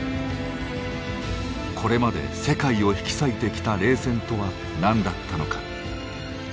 これまで世界を引き裂いてきた冷戦とは何だったのか。